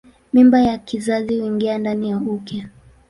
Mimba ya kizazi huingia ndani ya uke.